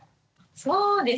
そうですね。